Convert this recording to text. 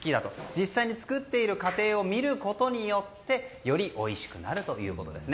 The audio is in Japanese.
実際、作っている過程を見ることによってよりおいしくなるということです。